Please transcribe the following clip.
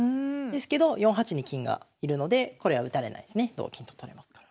ですけど４八に金が居るのでこれは打たれないですね同金と取れますから。